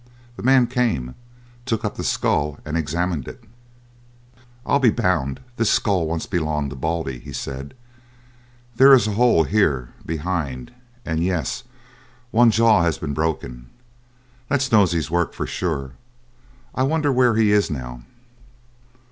The man came, took up the skull, and examined it. "I'll be bound this skull once belonged to Baldy," he said. "There is a hole here behind; and, yes, one jaw has been broken. That's Nosey's work for sure' I wonder where he is now."